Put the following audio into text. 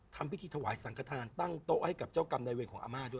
ทำพิธีถวายสังขทานตั้งโต๊ะให้กับเจ้ากรรมในเวรของอาม่าด้วย